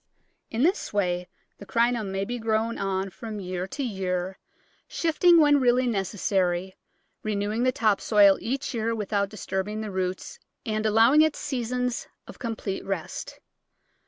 In this way the Crinum may be grown on from year to year, shifting when really necessary, renewing the top soil each year without dis turbing the roots and allowing it seasons of complete rest.